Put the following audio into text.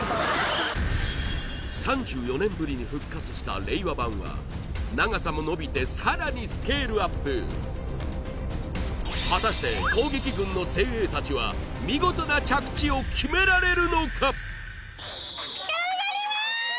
３４年ぶりに復活した令和版は長さものびてさらにスケールアップ果たして攻撃軍の精鋭たちは見事な着地を決められるのか頑張ります